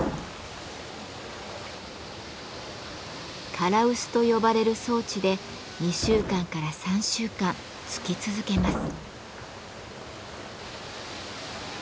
唐臼と呼ばれる装置で２週間から３週間つき続けます。